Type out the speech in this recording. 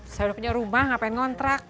saya udah punya rumah ngapain ngontrak